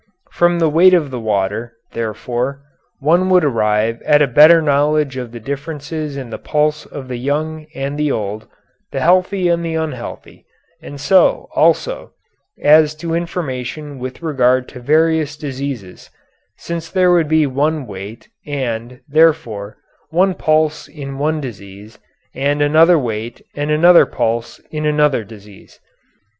From the weight of the water, therefore, one would arrive at a better knowledge of the differences in the pulse of the young and the old, the healthy and the unhealthy, and so, also, as to information with regard to various diseases, since there would be one weight and, therefore, one pulse in one disease, and another weight and another pulse in another disease.